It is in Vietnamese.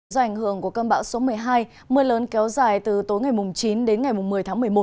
do ảnh hưởng của cơn bão số một mươi hai mưa lớn kéo dài từ tối ngày chín đến ngày một mươi tháng một mươi một